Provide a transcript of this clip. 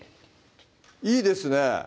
いいですね